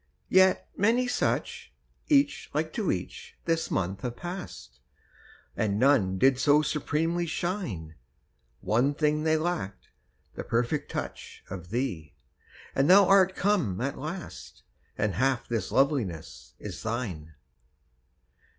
Yet many such, Each like to each, this month have passed, And none did so supremely shine. One thing they lacked: the perfect touch Of thee and thou art come at last, And half this loveliness is thine.